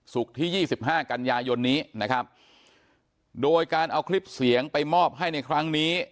ที่ยี่สิบห้ากันยายนนี้นะครับโดยการเอาคลิปเสียงไปมอบให้ในครั้งนี้